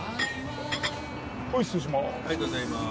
はい失礼します。